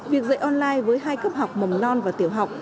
việc dạy online với hai cấp học mầm non và tiểu học